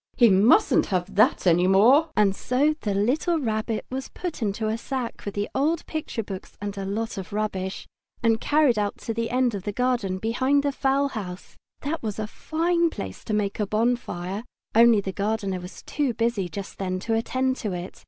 He mustn't have that any more!" Anxious Times And so the little Rabbit was put into a sack with the old picture books and a lot of rubbish, and carried out to the end of the garden behind the fowl house. That was a fine place to make a bonfire, only the gardener was too busy just then to attend to it.